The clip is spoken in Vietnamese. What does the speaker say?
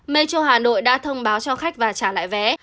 metro hà nội đã thông báo cho khách và trả lại vé